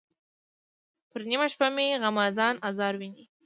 پر نیمه شپه مې غمازان آزار ویني.